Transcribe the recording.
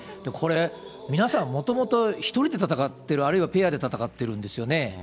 これ、皆さん、もともと１人で戦ってる、あるいはペアで戦っているんですよね。